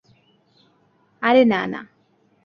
আরে না, না!